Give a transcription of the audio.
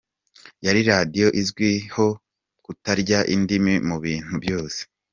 Yari Radiyo izwi ho kutarya indimi mu bintu byose!